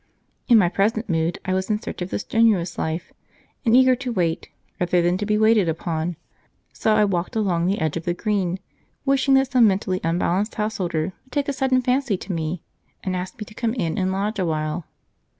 In my present mood I was in search of the strenuous life, and eager to wait, rather than to be waited upon; so I walked along the edge of the Green, wishing that some mentally unbalanced householder would take a sudden fancy to me and ask me to come in and lodge awhile.